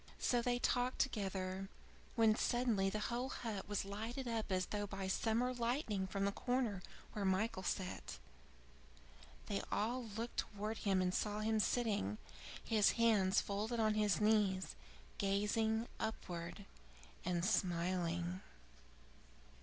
'" So they talked together, when suddenly the whole hut was lighted up as though by summer lightning from the corner where Michael sat. They all looked towards him and saw him sitting, his hands folded on his knees, gazing upwards and smiling.